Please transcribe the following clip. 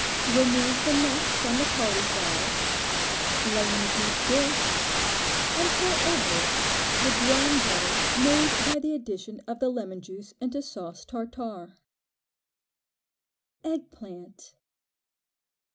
Remove the net from the cauliflower, lay in a deep dish, and pour over it the drawn butter made by the addition of the lemon juice into sauce tartare. Egg Plant.